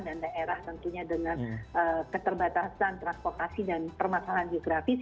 daerah tentunya dengan keterbatasan transportasi dan permasalahan geografis